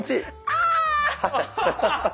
あ！